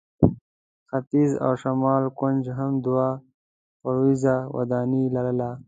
ختیځ او شمال کونج هم دوه پوړیزه ودانۍ لرله.